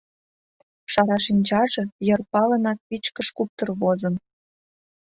Шара шинчаже йыр палынак вичкыж куптыр возын.